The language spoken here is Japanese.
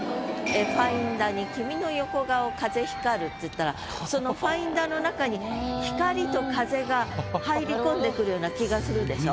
「ファインダに君の横顔風光る」っていったらそのファインダの中に光と風が入り込んでくるような気がするでしょ？